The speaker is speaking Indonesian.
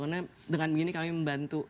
karena dengan begini kami membantu